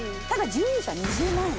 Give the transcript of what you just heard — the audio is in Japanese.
準優勝は２０万円